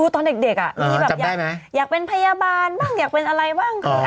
ตอนเด็กมีแบบอยากเป็นพยาบาลบ้างอยากเป็นอะไรบ้าง